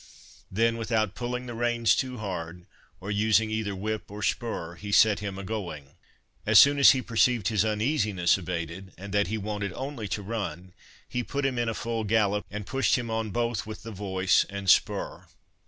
Then, without pulling the reins too hard, or using either whip or spur, he set him agoing. As soon as he perceived his uneasiness abated, and that he wanted only to run, he put him in a full gallop, and pushed him on both with the voice and spur.